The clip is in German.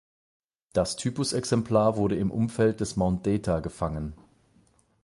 Das Typusexemplar wurde im Umfeld des Mount Data gefangen.